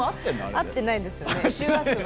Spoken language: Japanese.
合ってないですよね。